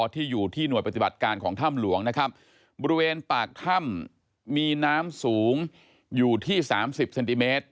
ที่อยู่ที่หน่วยปฏิบัติการของถ้ำหลวงนะครับบริเวณปากถ้ำมีน้ำสูงอยู่ที่สามสิบเซนติเมตร